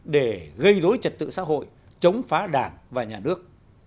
để gây dối trật tự xã hội chống phá đảng và nhà nước